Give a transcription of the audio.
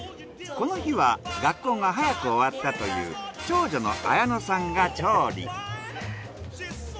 この日は学校が早く終わったという長女の彩乃さんが調理。